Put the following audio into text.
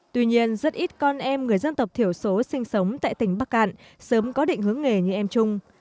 tuy nhiên rất ít con em người dân tộc thiểu số sinh sống tại tỉnh bắc cạn sớm có định hướng nghề như em trung